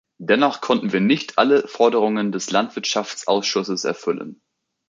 Dennoch konnten wir nicht alle Forderungen des Landwirtschaftsausschusses erfüllen.